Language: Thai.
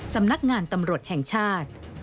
สำนักงานตำรวจแห่งชาติ